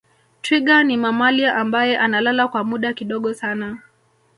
twiga ni mamalia ambaye analala kwa muda kidogo sana